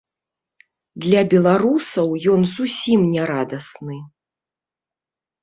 Для беларусаў ён зусім не радасны.